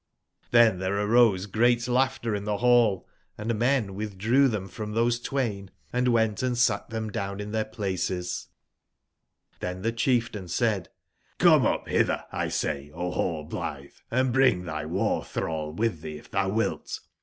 *'J^ Xlben tbere arose great laugbter in tbe ball, and men witbdrew tbem 158 from those twain and went and eat tbem down in tbcir places J^ XMtw the chieftain said : ''Come up hither,! say,0 RaUblithe, and bring thy war/thrall with thee if thou wilt.